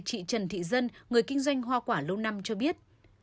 chị trần thị dân người kinh doanh hoa quả lâu năm cho biết